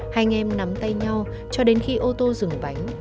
hai anh em nắm tay nhau cho đến khi ô tô dừng bánh